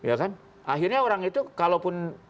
akhirnya orang itu kalaupun